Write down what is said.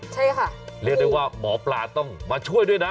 ใช่ค่ะเรียกได้ว่าหมอปลาต้องมาช่วยด้วยนะ